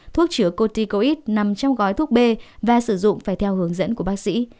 thuốc chứa cotticoid nằm trong gói thuốc b và sử dụng phải theo hướng dẫn của bác sĩ